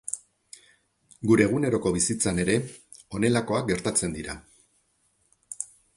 Gure eguneroko bizitzan ere honelakoak gertatzen dira.